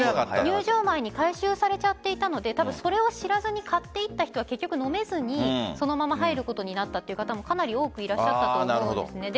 入場前に回収されちゃっていたのでそれを知らずに買って行った人は結局飲めずにそのまま入ることになったという方も、かなり多くいらっしゃったと思うんです。